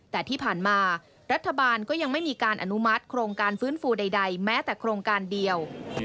แต่ที่ผ่านมารัฐบาลก็ยังไม่มีการอนุมัติโครงการฟื้นฟูใดแม้แต่โครงการเดียว